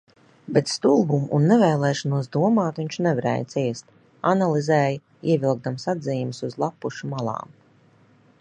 Bet stulbumu un nevēlēšanos domāt viņš nevarēja ciest. Analizēja, ievilkdams atzīmes uz lappušu malām.